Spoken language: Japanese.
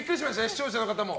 視聴者の方も。